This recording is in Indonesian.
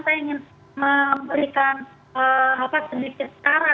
saya ingin memberikan sedikit cara